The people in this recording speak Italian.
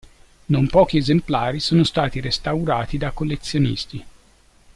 Non pochi esemplari sono stati restaurati da collezionisti.